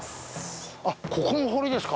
あっここもお堀ですか？